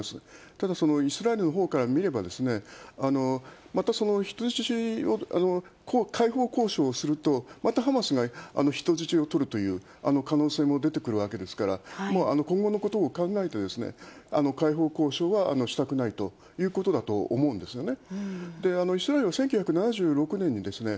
ただイスラエルのほうから見れば、またその人質の解放交渉をすると、またハマスが人質を取るという可能性も出てくるわけですから、今後のことを考えて、解放交渉はしたくないということだと思うんですよね。